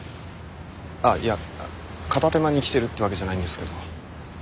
ああいや片手間に来てるってわけじゃないんですけど。